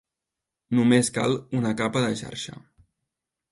Només cal una capa de xarxa.